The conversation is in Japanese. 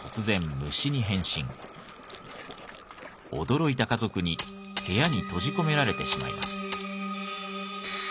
驚いた家族に部屋に閉じ込められてしまいます。